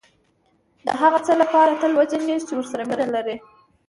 دهغه څه لپاره تل وجنګېږئ چې ورسره مینه لرئ.